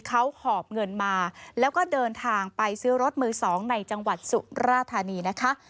เขาหอบเงินมาแล้วก็เดินทางไปซื้อรถมือสองในจังหวัดสุราธานีนะคะ